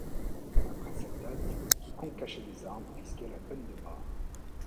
Après cette date, quiconque cachait des armes risquait la peine de mort.